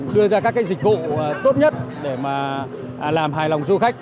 đưa ra các cái dịch vụ tốt nhất để làm hài lòng du khách